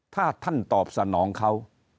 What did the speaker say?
ถ้าท่านตอบสนองเขา